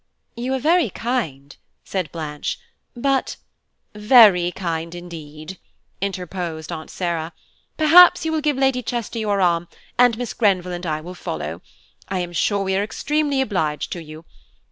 "You are very kind," said Blanche, "but–" "Very kind, indeed," interposed Aunt Sarah. "Perhaps you will give Lady Chester your arm, and Miss Grenville and I will follow. I am sure we are extremely obliged to you.